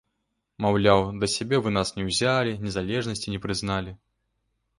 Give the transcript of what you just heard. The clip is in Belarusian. Маўляў, да сябе вы нас не ўзялі, незалежнасці не прызналі.